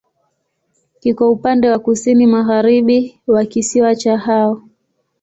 Kiko upande wa kusini-magharibi wa kisiwa cha Hao.